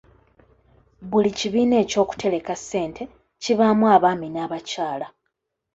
Buli kibiina eky'okutereka ssente kibaamu abaami n'abakyala.